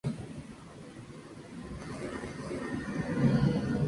Fue la competidora más joven integrante del equipo americano en estas Olimpíadas.